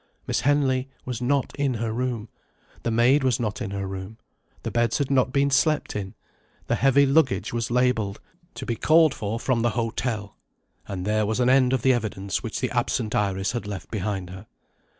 Miss Henley was not in her room; the maid was not in her room; the beds had not been slept in; the heavy luggage was labelled "To be called for from the hotel." And there was an end of the evidence which the absent Iris had left behind her.